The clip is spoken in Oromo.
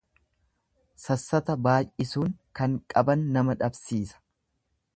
Sassata baay'isuun kan qaban nama dhabsiisa.